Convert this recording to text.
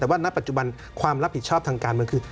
แต่ว่าณปัจจุบันความรับผิดชอบทางการเมืองคือ